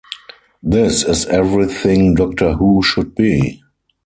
This is everything "Doctor Who" should be.